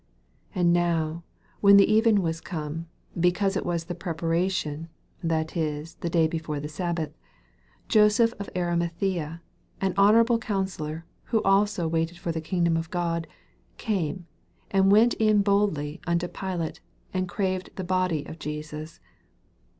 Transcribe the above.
42 And now when the even was come, because it was the preparation, that is, the day before the saobath, 43 Joseph of Arirnathjea, an hon orable counsellor, which also waited for the kingdom of God, came, and went in boldly unto Pilate, and craved the body of Jesus.